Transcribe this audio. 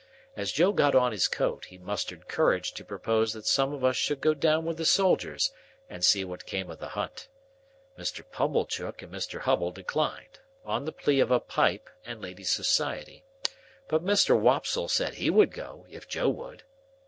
As Joe got on his coat, he mustered courage to propose that some of us should go down with the soldiers and see what came of the hunt. Mr. Pumblechook and Mr. Hubble declined, on the plea of a pipe and ladies' society; but Mr. Wopsle said he would go, if Joe would.